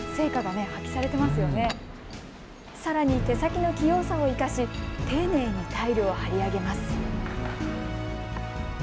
さらに手先の器用さを生かし丁寧にタイルを張り上げます。